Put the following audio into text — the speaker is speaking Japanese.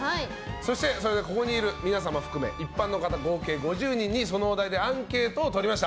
そして、ここにいる皆さん含め一般の方５０人にそのお題でアンケートをとりました。